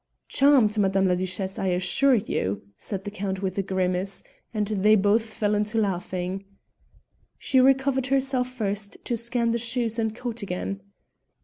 "Charmed, Madame la Duchesse, I assure you," said the Count with a grimace, and they both fell into laughing. She recovered herself first to scan the shoes and coat again.